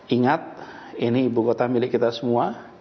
ingat ini ibu kota milik kita semua